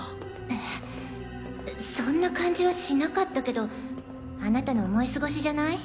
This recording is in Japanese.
えっそんな感じはしなかったけどあなたの思い過ごしじゃない？